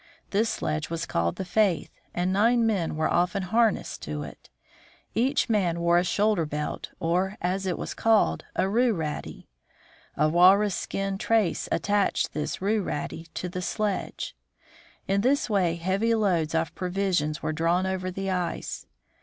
This sledge was called the " Faith," and nine men were often harnessed to it. Each man wore a shoulder belt or, as it was called, a "rue raddy." A walrus skin trace at tached this rue raddy to the sledge. In this way heavy loads of provisions were drawn over the ice.